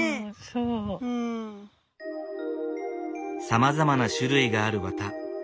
さまざまな種類がある綿。